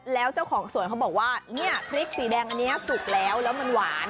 แล้วเจ้าของสวนเขาบอกว่าเนี่ยพริกสีแดงอันนี้สุกแล้วแล้วมันหวาน